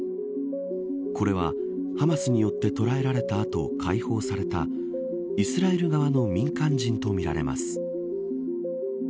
これは、ハマスによって捉えられた後解放されたイスラエル側の民間人とみられます。